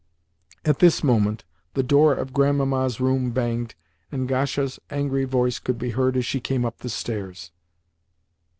At this moment the door of Grandmamma's room banged, and Gasha's angry voice could be heard as she came up the stairs.